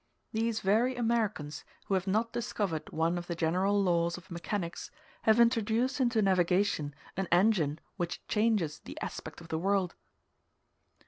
These very Americans, who have not discovered one of the general laws of mechanics, have introduced into navigation an engine which changes the aspect of the world.